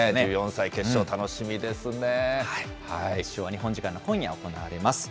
決勝、楽決勝は日本時間の今夜、行われます。